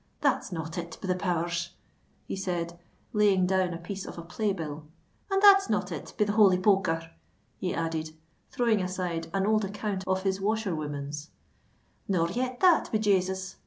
"That's not it, be the powers!" he said, laying down a piece of a play bill;—"and that's not it, be the holy poker!" he added, throwing aside an old account of his washerwoman's: "nor yet that, be Jasus!"